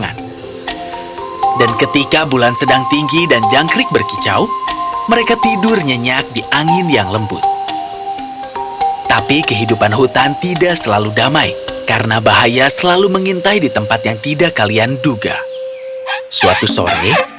gajah kecil dan ibunya menjalani kemampuan